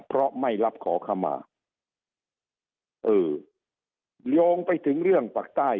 เพราะไม่รับขอขมาเออโยงไปถึงเรื่องปากใต้